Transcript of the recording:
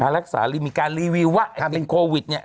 การรักษามีการรีวิวว่าจริงโควิดเนี่ย